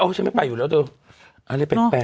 โอ๊ยฉันไม่ไปอยู่แล้วดูอะไรแปลก